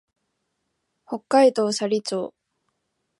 北海道斜里町